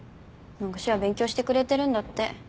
何か手話勉強してくれてるんだって。